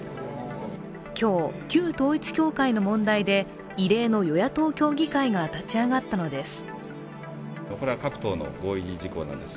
今日、旧統一教会の問題で異例の与野党協議会が立ち上がったのです。